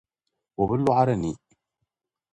O bi lɔɣiri ni.